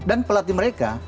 dan pelatih mereka